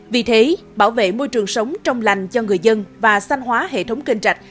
vì thế bảo vệ môi trường sống trong lành cho người dân và sanh hóa hệ thống kênh trạch